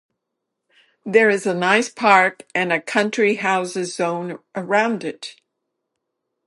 There is a nice park and a country-houses zone around it.